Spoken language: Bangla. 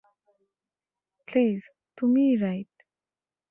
প্লীজ তুমিই রাইট।